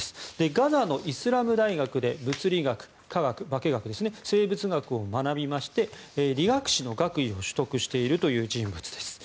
ガザのイスラム大学で物理学、化学、生物学を学び理学士の学位を取得しているという人物です。